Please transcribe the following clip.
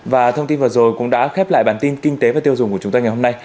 và thông tin vừa rồi cũng đã khép lại bản tin kinh tế và tiêu dùng của chúng tôi ngày hôm nay